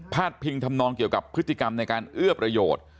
พิงทำนองเกี่ยวกับพฤติกรรมในการเอื้อประโยชน์